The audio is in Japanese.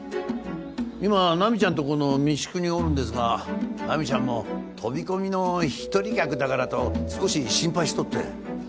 今ナミちゃんとこの民宿におるんですがナミちゃんも飛び込みの一人客だからと少し心配しとって。